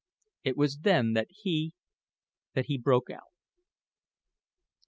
It was then that he that he broke out."